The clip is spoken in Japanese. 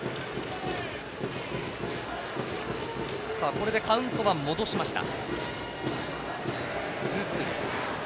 これでカウントは戻しました。